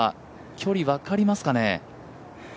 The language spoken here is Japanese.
距離分かりますかね？